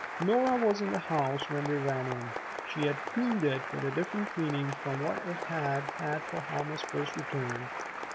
Nora was in the house when they ran in. She had cleaned it with a different cleaning from what it had had for Helma's first return.